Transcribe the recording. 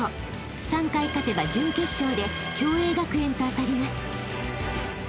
［３回勝てば準決勝で共栄学園と当たります］